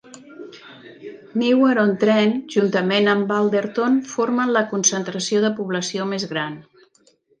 Newark-on-Trent, juntament amb Balderton, formen la concentració de població més gran.